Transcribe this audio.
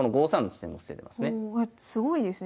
すごいですね